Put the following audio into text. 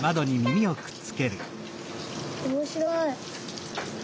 おもしろい。